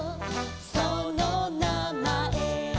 そのなまえ」